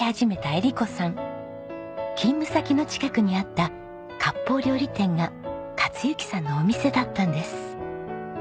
勤務先の近くにあった割烹料理店が克幸さんのお店だったんです。